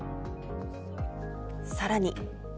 さらに。